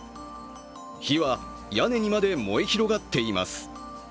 火は屋根にまで燃え広がっています。